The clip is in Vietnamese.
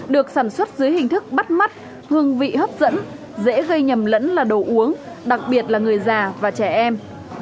được sản xuất dưới hình thức bắt mắt hương vị hấp dẫn dễ gây nhầm lẫn là đồ uống đặc biệt là người già và trẻ em